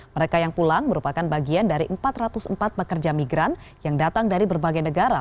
mereka yang pulang merupakan bagian dari empat ratus empat pekerja migran yang datang dari berbagai negara